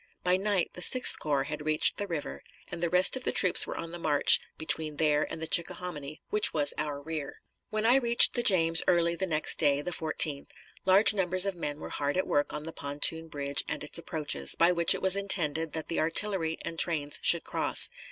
By night the Sixth Corps had reached the river, and the rest of the troops were on the march between there and the Chickahominy, which was our rear. When I reached the James early the next day, the 14th, large numbers of men were hard at work on the pontoon bridge and its approaches, by which it was intended that the artillery and trains should cross.